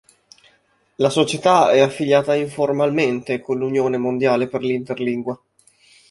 La Società è affiliata informalmente con l'Unione Mondiale per l'Interlingua.